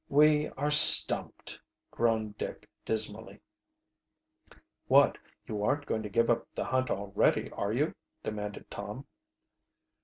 "We are stumped!" groaned Dick dismally. "What, you aren't going to give up the hunt already, are you?" demanded Tom.